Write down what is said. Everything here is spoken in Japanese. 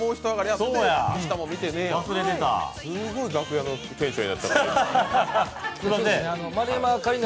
すごい楽屋のテンションやったから。